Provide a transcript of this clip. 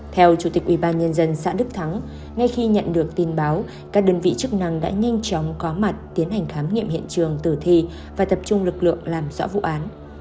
theo chủ tịch ubnd xã đức thắng ngay khi nhận được tin báo các đơn vị chức năng đã nhanh chóng có mặt tiến hành khám nghiệm hiện trường tử thi và tập trung lực lượng làm rõ vụ án